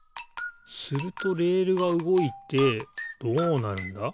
するとレールがうごいてどうなるんだ？